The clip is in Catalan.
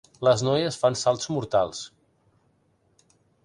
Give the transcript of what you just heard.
Les noies fan salts mortals.